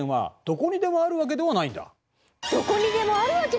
どこにでもあるわけではない！？